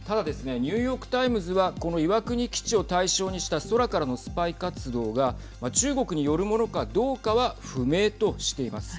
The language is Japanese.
ニューヨーク・タイムズはこの岩国基地を対象にした空からのスパイ活動が中国によるものかどうかは不明としています。